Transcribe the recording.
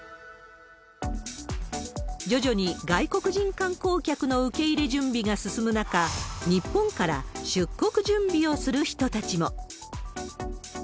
徐々に外国人観光客の受け入れ準備が進む中、日本から出国準備をする人たちも。